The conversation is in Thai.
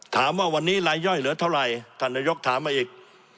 ถามว่าวันนี้รายย่อยเหลือเท่าไหร่ท่านนายกถามมาอีก